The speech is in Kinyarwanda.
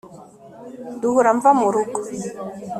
duhura mva mu rugo